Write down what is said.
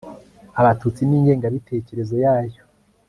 Abatutsi n ingengabitekerezo yayo